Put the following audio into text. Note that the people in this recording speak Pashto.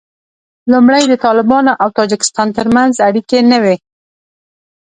لومړی د طالبانو او تاجکستان تر منځ اړیکې نه وې